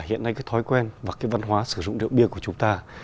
hiện nay cái thói quen và cái văn hóa sử dụng rượu bia của chúng ta